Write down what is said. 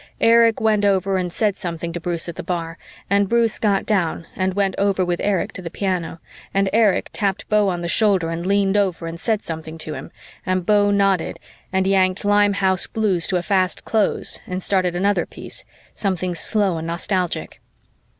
Erich went over and said something to Bruce at the bar, and Bruce got down and went over with Erich to the piano, and Erich tapped Beau on the shoulder and leaned over and said something to him, and Beau nodded and yanked "Limehouse Blues" to a fast close and started another piece, something slow and nostalgic.